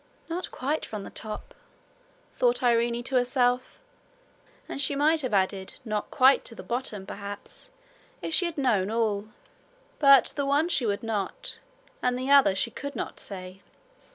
'Not quite from the top,' thought Irene to herself; and she might have added, 'not quite to the bottom', perhaps, if she had known all. But the one she would not, and the other she could not say.